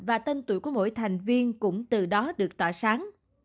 và tên tuổi của mỗi thành viên cũng từ đó được tỏa sáng